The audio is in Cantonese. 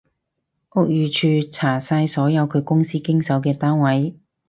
屋宇署查晒所有佢公司經手嘅單位